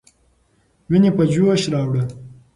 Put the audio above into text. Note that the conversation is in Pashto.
ويني په جوش راوړه.